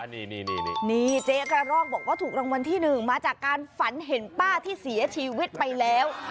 นี่เจ๊กระรอกบอกว่าถูกรางวัลที่๑มาจากการฝันเห็นป้าที่เสียชีวิตไปแล้ว